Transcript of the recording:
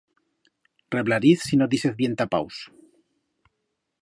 Reblariz si no dísez bien tapaus.